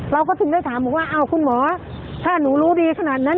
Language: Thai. เราก็ถึงได้ถามบอกว่าอ้าวคุณหมอถ้าหนูรู้ดีขนาดนั้น